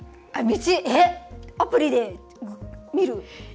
道、アプリで見る。